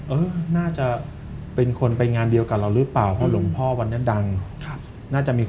เออน่าจะเป็นคนไปงานเดียวกับเราหรือเปล่า